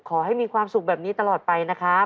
ขอให้มีความสุขแบบนี้ตลอดไปนะครับ